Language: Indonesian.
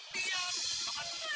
diam makan makan